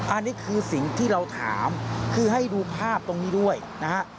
อันนี้คือสิ่งที่เราถามคือให้ดูภาพตรงนี้ด้วยนะฮะ